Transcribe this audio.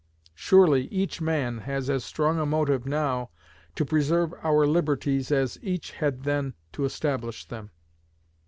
Surely each man has as strong a motive now to preserve our liberties as each had then to establish them."